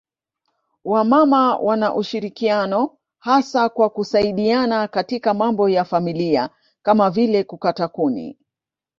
Wamama wana ushirikiano hasa kwa kusaidiana katika mambo ya familia kama vile kukata kuni